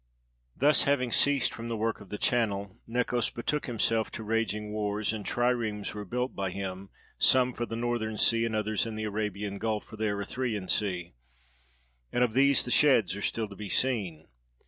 Thus having ceased from the work of the channel, Necos betook himself to raging wars, and triremes were built by him, some for the Northern Sea and others in the Arabian gulf for the Erythraian Sea; and of these the sheds are still to be seen.